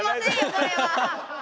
これは！